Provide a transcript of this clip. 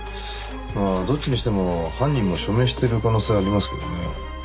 まあどっちにしても犯人も署名してる可能性ありますけどね